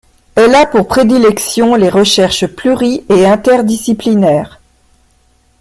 Elle a pour prédilection les recherches pluri et inter-disciplinaires.